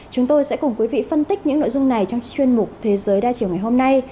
chúng tôi sẽ cùng quý vị phân tích những nội dung này trong chuyên mục thế giới đa chiều ngày hôm nay